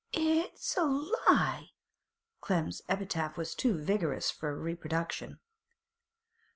'It's a —— lie!' Clem's epithet was too vigorous for reproduction.